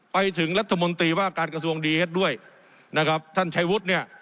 ไปถึงรัฐมนตรีว่าการกระทรวงดีเอ็ดด้วยนะครับท่านชัยวุฒิเนี่ย